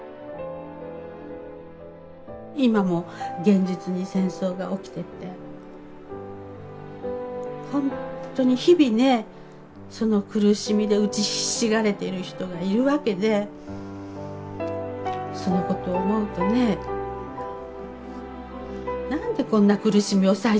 今も現実に戦争が起きててほんとに日々ねその苦しみでうちひしがれている人がいるわけでそのことを思うとね何でこんな苦しみを再生産してるんだろうってね。